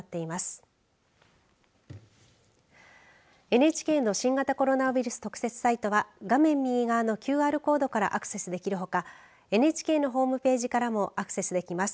ＮＨＫの新型コロナウイルス特設サイトは画面右側のＱＲコードからアクセスできるほかＮＨＫのホームページからもアクセスできます。